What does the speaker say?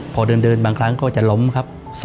พอเดินบางครั้งก็จะล้มครับ